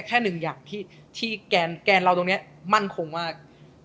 แค่หนึ่งอย่างที่แกนเราตรงนี้มั่นคงมาก